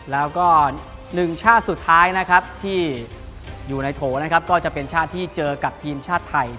แล้วก็๑ชาติสุดท้ายนะครับที่อยู่ในโถนะครับก็จะเป็นชาติที่เจอกับทีมชาติไทย